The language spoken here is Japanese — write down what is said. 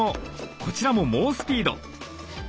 こちらも猛スピード！